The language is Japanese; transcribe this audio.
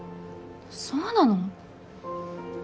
そうなの？